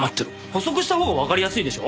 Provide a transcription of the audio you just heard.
補足したほうがわかりやすいでしょ？